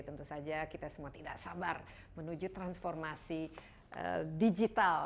tentu saja kita semua tidak sabar menuju transformasi digital